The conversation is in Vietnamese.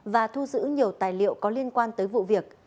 và thu giữ nhiều tài liệu có liên quan tới vụ việc